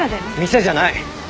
店じゃない。